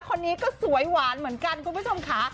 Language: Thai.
คนนี้ก็สวยหวานเหมือนกันคุณผู้ชมค่ะ